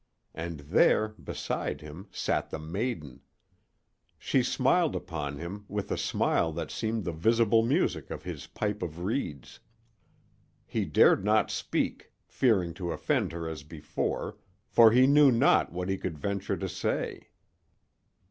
And there, beside him, sat the maiden. She smiled upon him with a smile that seemed the visible music of his pipe of reeds. He dared not speak, fearing to offend her as before, for he knew not what he could venture to say.